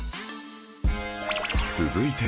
続いて